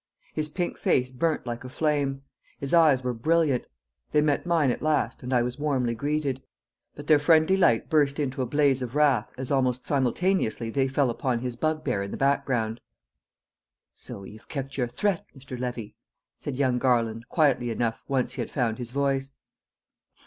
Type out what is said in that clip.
His pink face burnt like a flame. His eyes were brilliant; they met mine at last, and I was warmly greeted; but their friendly light burst into a blaze of wrath as almost simultaneously they fell upon his bugbear in the background. "So you've kept your threat, Mr. Levy!" said young Garland, quietly enough once he had found his voice.